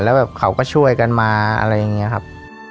แล้วแบบเขาก็ช่วยกันมาอะไรอย่างนี้ครับ